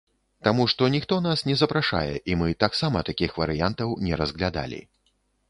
Таму што ніхто нас не запрашае, і мы таксама такіх варыянтаў не разглядалі.